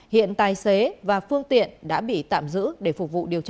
hiện tài xế và phương tiện đã bị tạm giữ để phục vụ điều tra